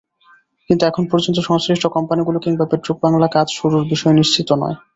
কিন্তু এখন পর্যন্ত সংশ্লিষ্ট কোম্পানিগুলো কিংবা পেট্রোবাংলা কাজ শুরুর বিষয়ে নিশ্চিত নয়।